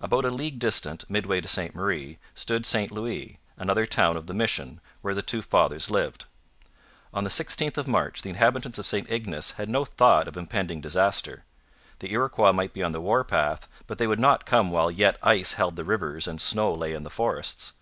About a league distant, midway to Ste Marie, stood St Louis, another town of the mission, where the two fathers lived. On the 16th of March the inhabitants of St Ignace had no thought of impending disaster. The Iroquois might be on the war path, but they would not come while yet ice held the rivers and snow lay in the forests.